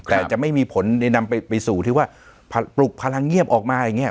แต่จะไม่มีผลในนำไปสู่ที่ว่าปลุกพลังเงียบออกมาอย่างนี้